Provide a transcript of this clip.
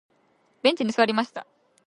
ベンチに座りました。